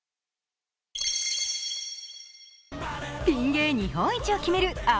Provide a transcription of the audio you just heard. ぴん芸日本一を決める